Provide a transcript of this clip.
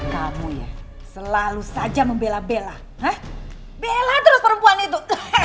kamu ya selalu saja membela bella ha bella terus perempuan itu